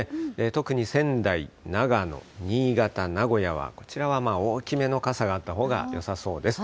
特に仙台、長野、新潟、名古屋は、こちらは大きめの傘があったほうがよさそうです。